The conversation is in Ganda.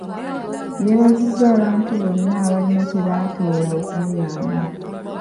Yeebazizza abantu bonna abalina kye batoola okumuyamba.